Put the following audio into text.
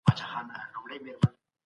ازادي مهمه ده.